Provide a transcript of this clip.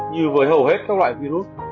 như với hầu hết các loại virus